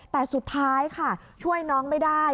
แต่สุดท้ายค่ะช่วยน้องไม่ได้